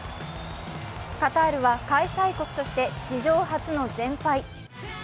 カタールは開催国として史上初の全敗。